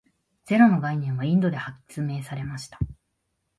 ゼロの概念はインドで発明されました。